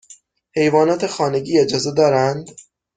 حیوانات خانگی اجازه دارند؟